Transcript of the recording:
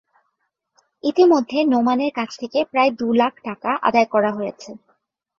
ইতিমধ্যে নোমানের কাছ থেকে প্রায় দুই লাখ টাকা আদায় করা হয়েছে।